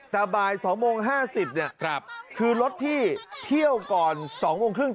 แต่บ่าย๒โมง๕๐คือรถที่เที่ยวก่อน๒โมงครึ่ง